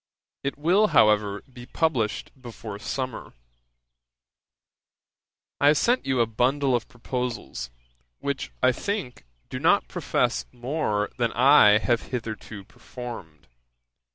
It will, however, be published before summer. 'I have sent you a bundle of proposals, which, I think, do not profess more than I have hitherto performed.